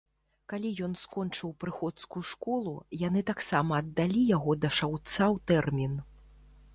Калі ён скончыў прыходскую школу, яны таксама аддалі яго да шаўца ў тэрмін.